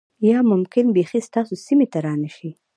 یا ممکن بیخی ستاسو سیمې ته را نشي